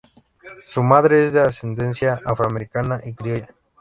Su madre es de ascendencia afroamericana y criolla.